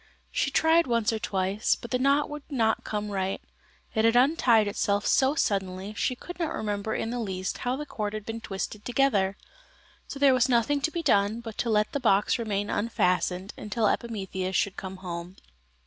She tried once or twice, but the knot would not come right. It had untied itself so suddenly she could not remember in the least how the cord had been twisted together. So there was nothing to be done but to let the box remain unfastened until Epimetheus should come home.